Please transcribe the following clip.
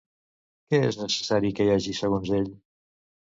Què és necessari que hi hagi, segons ell?